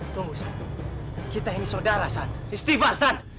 tunggu san kita ini saudara san istighfar san